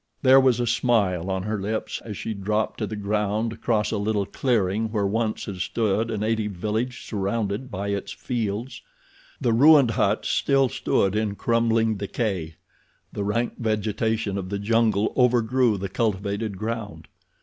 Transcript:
There was a smile on her lips as she dropped to the ground to cross a little clearing where once had stood a native village surrounded by its fields. The ruined huts still stood in crumbling decay. The rank vegetation of the jungle overgrew the cultivated ground.